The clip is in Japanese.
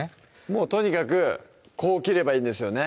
もうとにかくこう切ればいいんですよね